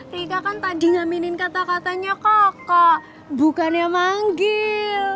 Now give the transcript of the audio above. rika kan tadi ngaminin kata katanya koko bukannya manggil